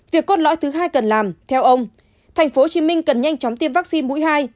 việc cốt lõi thứ hai cần làm theo ông tp hcm cần nhanh chóng tiêm vaccine mũi hai